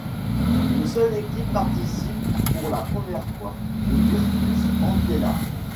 Une seule équipe participe pour la première fois, le Virtus Entella.